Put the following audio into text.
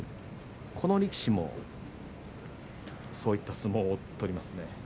この力士もそういった相撲を取りますね。